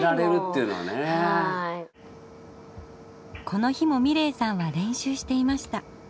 この日も美礼さんは練習していました。